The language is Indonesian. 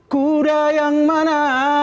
kuda yang mana